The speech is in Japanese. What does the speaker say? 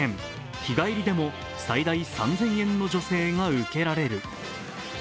日帰りでも最大３０００円の助成が受けられる。